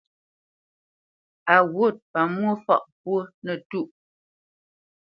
A wût pamwô fâʼ ŋkwó nətûʼ.